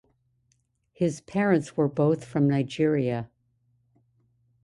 His parents were both from Nigeria.